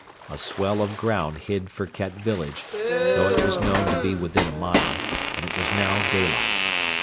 A swell of ground hid Firket village, though it was known to be within a mile, and it was now daylight.